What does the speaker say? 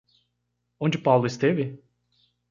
Onde Paulo esteve?